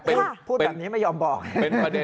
พูดแบบนี้ไม่ยอมบอก